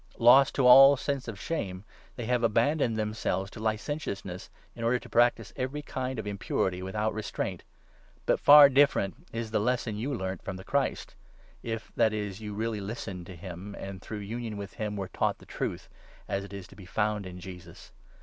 Lost to all 19 sense of shame, they have abandoned themselves to licentious ness, in order to practise every kind of impurity without restraint. But far different is the lesson you learnt 20 from the Christ — if, that is, you really listened to him, and 21 through union with him were taught the Truth, as it is to be found in Jesus.